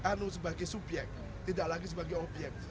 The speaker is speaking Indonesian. anu sebagai subyek tidak lagi sebagai obyek